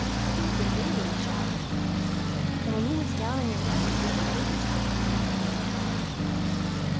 He was a gay little chap, and when you was down on your luck, it did you good to talk to him."